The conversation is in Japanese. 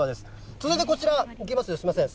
続いてこちら開けますね、すみません。